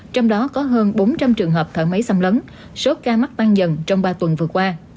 trong đó có hơn bốn trăm linh trường hợp thở máy xâm lấn số ca mắc tăng dần trong ba tuần vừa qua